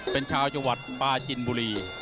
เป็นชาวจังหวัดปลาจินบุรี